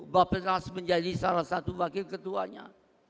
bapak penas menjadi salah satu wakil ketuanya